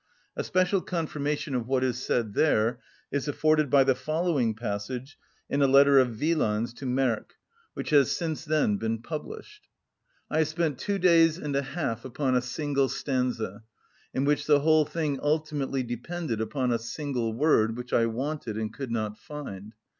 A special confirmation of what is said there is afforded by the following passage in a letter of Wieland's to Merck, which has since then been published: "I have spent two days and a half upon a single stanza, in which the whole thing ultimately depended upon a single word which I wanted and could not find.